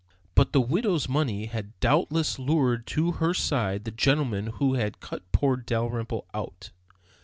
But the widow's money had doubtless lured to her side the gentleman who had cut poor Dalrymple out.